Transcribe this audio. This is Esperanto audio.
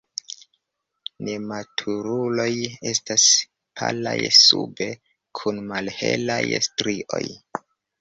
Nematuruloj estas palaj sube kun malhelaj strioj.